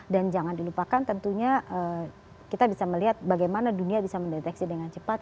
dan jangan dilupakan tentunya kita bisa melihat bagaimana dunia bisa mendeteksi dengan cepat